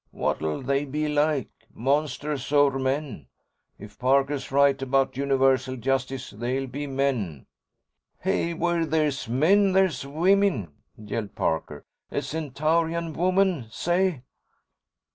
"What'll they be like? Monsters or men? If Parker's right about universal justice, they'll be men." "Hey, where there's men, there's women!" yelled Parker. "A Centaurian woman! Say!"